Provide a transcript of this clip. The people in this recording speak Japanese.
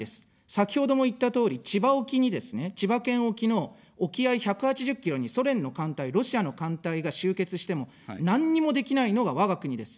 先ほども言ったとおり、千葉沖にですね、千葉県沖の沖合１８０ｋｍに、ソ連の艦隊、ロシアの艦隊が集結しても、なんにもできないのが、我が国です。